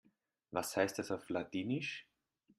Was heißt das auf Ladinisch?